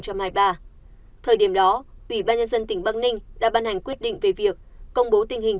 thời điểm đó ủy ban nhân dân tỉnh băng ninh đã ban hành quyết định về việc công bố tình hình